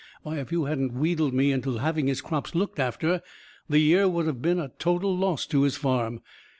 Why, if you hadn't wheedled me into having his crops looked after, the year would have been a total loss to his farm.